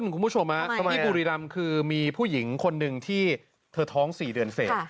คุณผู้ชมที่บุรีรำคือมีผู้หญิงคนหนึ่งที่เธอท้อง๔เดือนเสร็จ